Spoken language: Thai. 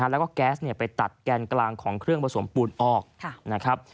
แล้วก็แก๊สไปตัดแกนกลางของเครื่องผสมปูนออกนะครับ